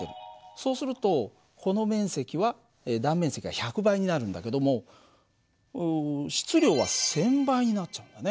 そうするとこの面積は断面積は１００倍になるんだけども質量は１，０００倍になっちゃうんだね。